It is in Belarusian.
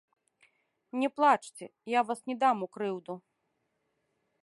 Не плачце, я вас не дам у крыўду.